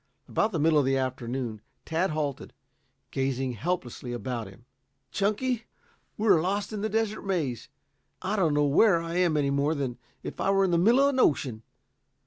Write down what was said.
About the middle of the afternoon Tad halted, gazing helplessly about him. "Chunky, we're lost in the Desert Maze. I don't know where I am any more than if I were in the middle of an ocean.